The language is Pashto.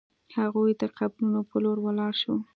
هغوی د قبرونو په لور لاړ شول.